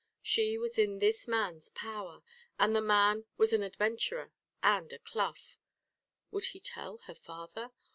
She was in this man's power; and the man was an adventurer and a Clough. Would he tell her father?